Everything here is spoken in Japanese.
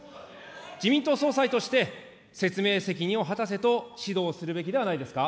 自民党総裁として、説明責任を果たせと指導するべきではないですか。